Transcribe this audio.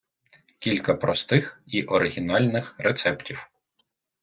КІЛЬКА ПРОСТИХ І ОРИГІНАЛЬНИХ РЕЦЕПТІВ